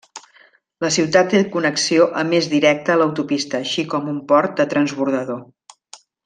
La ciutat té connexió a més directa a l'autopista així com un port de transbordador.